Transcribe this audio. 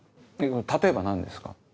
例えば何ですか？